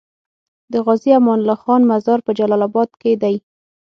د غازي امان الله خان مزار په جلال اباد کی دی